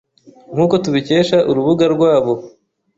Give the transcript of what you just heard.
nkuko tubikesha urubuga rwabo